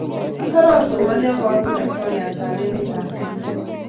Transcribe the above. Atare asomani akaeku laitoriat ab emet ab Kenya